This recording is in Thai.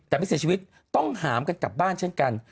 แต่ไม่เสียชีวิตต้องหามกันกลับบ้านเช่นกัน